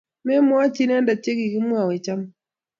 Memwochi inendet che kikimwoiwech amut